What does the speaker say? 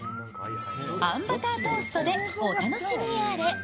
あんバタートーストでお楽しみあれ。